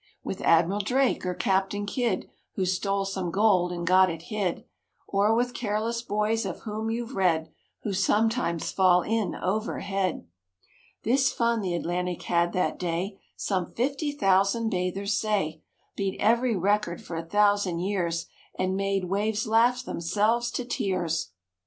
With Admiral Drake or Captain Kidd Who stole some gold and got it hid, Or with careless boys of whom you've read Who sometimes fall in over head,— This fun the Atlantic had that day, Some fifty thousand bathers say, Beat every record for a thousand years And made waves laugh themselves to tears.